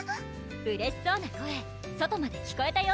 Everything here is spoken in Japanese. うれしそうな声外まで聞こえたよ